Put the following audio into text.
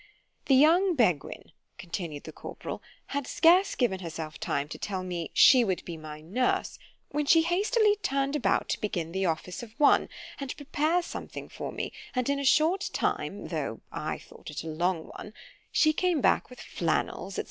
_ The young Beguine, continued the corporal, had scarce given herself time to tell me "she would be my nurse," when she hastily turned about to begin the office of one, and prepare something for me——and in a short time—though I thought it a long one—she came back with flannels, &c.